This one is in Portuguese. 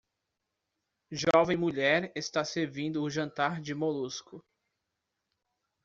Jovem mulher está servindo o jantar de molusco